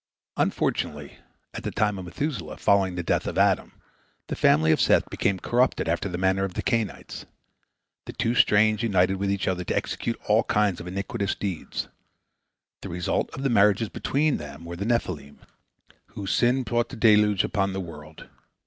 Unfortunately, at the time of Methuselah, following the death of Adam, the family of Seth became corrupted after the manner of the Cainites. The two strains united with each other to execute all kinds of iniquitous deeds. The result of the marriages between them were the Nephilim, whose sins brought the deluge upon the world.